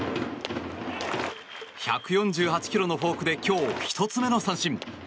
１４８ｋｍのフォークで今日１つ目の三振。